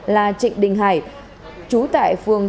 là trịnh đình hải chú tại phương